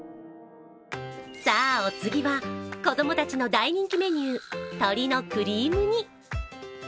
さあ、お次は子供たちの大人気メニュー、鶏のクリーム煮。